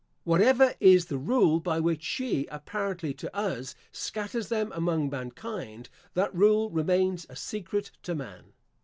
Whatever is the rule by which she, apparently to us, scatters them among mankind, that rule remains a secret to man.